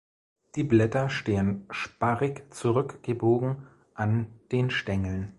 Die Blätter stehen sparrig zurückgebogen an den Stängeln.